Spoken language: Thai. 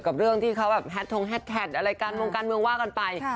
กับเรื่องที่เขาแฮดโทรงแฮดแทดวงการเมืองว่ากันไป